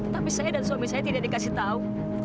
tapi saya dan suami saya tidak dikasih tahu